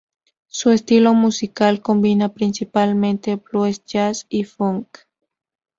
Su estilo musical combina principalmente blues con jazz y funk.